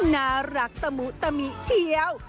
น่ารักตะหมูตะหมีเทียว